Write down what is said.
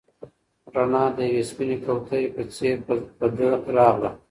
رڼا د یوې سپینې کوترې په څېر په ده راغله.